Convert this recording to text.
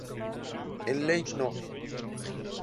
En Ley No.